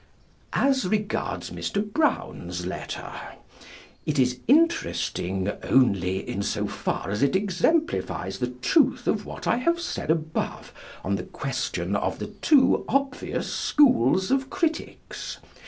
As regards Mr. Brown's letter, it is interesting only in so far as it exemplifies the truth of what I have said above on the question of the two obvious schools of critics.